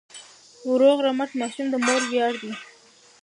روغ رمټ ماشوم د مور ویاړ دی.